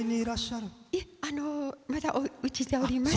いえ、まだうちでおります。